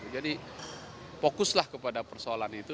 jadi fokuslah kepada persoalan itu